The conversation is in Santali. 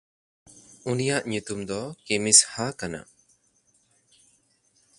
ᱩᱱᱤᱭᱟᱜ ᱧᱩᱛᱩᱢ ᱫᱚ ᱠᱤᱢᱤᱥᱦᱟ ᱠᱟᱱᱟ᱾